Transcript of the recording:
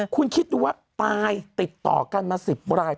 คุณคิดดูว่าตายติดต่อกันมา๑๐ราย